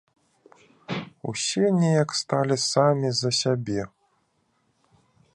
Усе неяк сталі самі за сябе.